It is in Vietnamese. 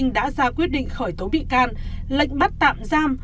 đã ra quyết định khởi tố bị can lệnh bắt tạm giam